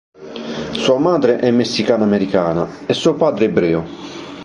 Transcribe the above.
Sua madre è messicana americana e suo padre ebreo.